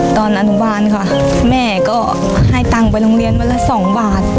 ตอนอนุวารค่ะแม่ก็ให้ตังคนลงเรียนมาละ๒หวาน